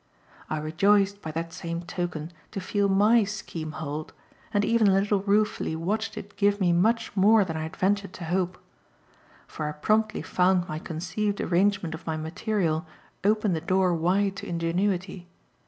I rejoiced, by that same token, to feel MY scheme hold, and even a little ruefully watched it give me much more than I had ventured to hope. For I promptly found my conceived arrangement of my material open the door wide to ingenuity.